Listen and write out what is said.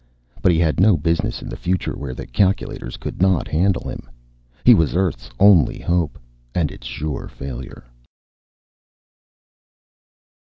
But he had no business in the future, where the calculators could not handle him. He was Earth's only hope and its sure failure!